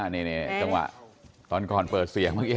นี่จังหวะตอนก่อนเปิดเสียงเมื่อกี้